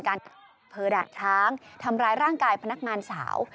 อำเภอด่านช้างทำร้ายร่างกายพนักงานสาว